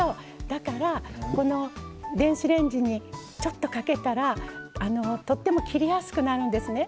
だからこの電子レンジにちょっとかけたらとっても切りやすくなるんですね。